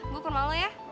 gue perma lu ya